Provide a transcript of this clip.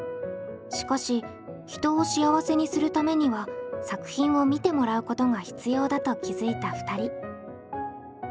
しかし人を幸せにするためには作品を見てもらうことが必要だと気付いた２人。